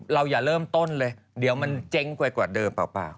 อย่าเริ่มต้นเลยเดี๋ยวมันเจ๊งไปกว่าเดิมเปล่า